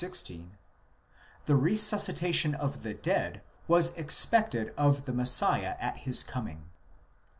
16), the resuscitation of the dead was expected of the Messiah at his coming.